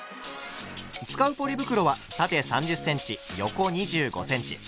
使うポリ袋は縦３０ｃｍ横２５ｃｍ。